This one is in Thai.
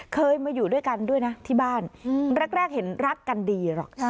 เคยมาอยู่ด้วยกันด้วยนะที่บ้านแรกเห็นรักกันดีหรอก